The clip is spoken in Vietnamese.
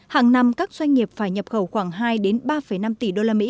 hàng năm các doanh nghiệp phải nhập khẩu khoảng hai ba năm tỷ usd